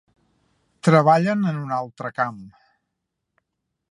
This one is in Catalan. Treballen en un altre camp.